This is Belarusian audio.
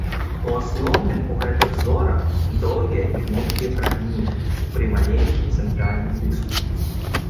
У асноўным у гэтых зорак доўгія і гнуткія прамяні пры маленькім цэнтральным дыску.